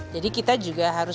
jadi kita juga harus